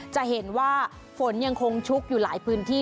จะเห็นว่าฝนยังคงชุกอยู่หลายพื้นที่